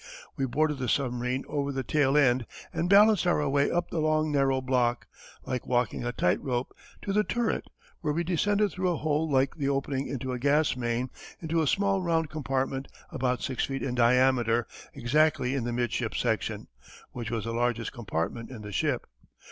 We boarded the submarine over the tail end and balanced our way up the long narrow block, like walking a tight rope, to the turret, where we descended through a hole like the opening into a gas main into a small round compartment about six feet in diameter exactly in the midship section, which was the largest compartment in the ship.